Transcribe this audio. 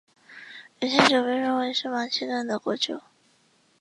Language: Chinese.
乳香酒被认为是马其顿的国酒。